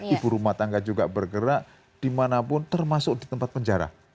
ibu rumah tangga juga bergerak dimanapun termasuk di tempat penjara